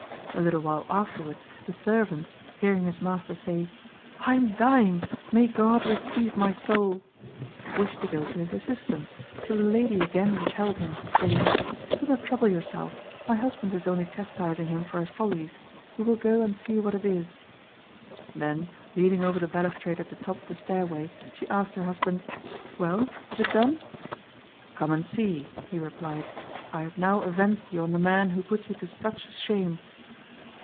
A little while afterwards the servant, hearing his master say, "I am dying, may God receive my soul!" wished to go to his assistance, but the lady again withheld him, saying "Do not trouble yourself; my husband is only chastising him for his follies. We will go and see what it is." Then, leaning over the balustrade at the top of the stairway, she asked her husband "Well, is it done?" "Come and see," he replied. "I have now avenged you on the man who put you to such shame."